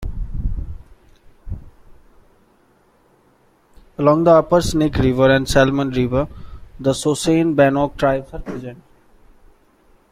Along the upper Snake River and Salmon River, the Shoshone Bannock tribes are present.